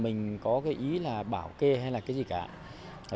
mình có cái ý là bảo kê hay là cái gì cả